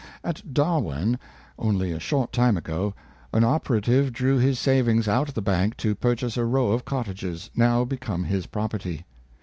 At Darwen^ only a short time ago, an operative drew his savings out of the bank to purchase a row of cottages, now become his property.